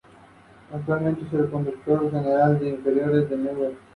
Se elabora fundamentalmente con tres ingredientes: judías, tomates y cebollas.